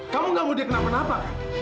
kamu gak mau dia kenapa napa